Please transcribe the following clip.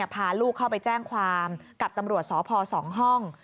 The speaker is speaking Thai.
พาลูกเข้าไปแจ้งความกับตำรวจสพ๒ห้อง